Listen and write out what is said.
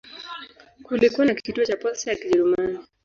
Kulikuwa na kituo cha posta ya Kijerumani.